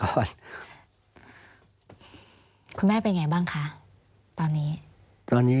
คุณแม่เป็นไงบ้างคะตอนนี้ตอนนี้